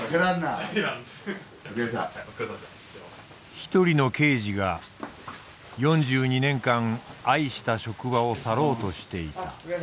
一人の刑事が４２年間愛した職場を去ろうとしていた。